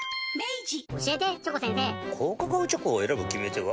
高カカオチョコを選ぶ決め手は？